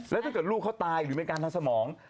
และถ้าลูกเขาตายอยู่ในการทานสมอง